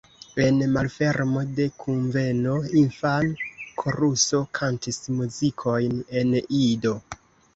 En malfermo de kunveno, infan-koruso kantis muzikojn en Ido.